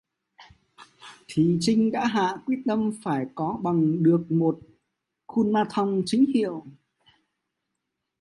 Thì Trinh đã hạ quyết tâm phải có bằng được một Kumanthong chính hiệu